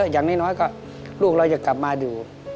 อย่างน้อยก็ลูกเราจะกลับมาอยู่